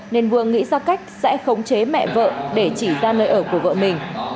nên vương nghĩ ra cách sẽ khống chế mẹ vợ để chỉ ra nơi ở của vợ mình